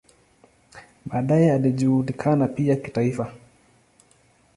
Baadaye alijulikana pia kitaifa.